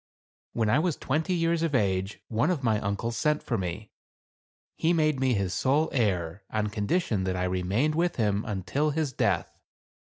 When I was twenty years of age one of my uncles sent for me. He made me his sole heir, on condition that I remained with him until his death.